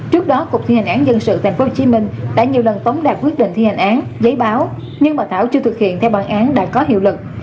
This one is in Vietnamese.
trước đó cục thi hành án dân sự tp hcm đã nhiều lần tống đạt quyết định thi hành án giấy báo nhưng mà thảo chưa thực hiện theo bản án đã có hiệu lực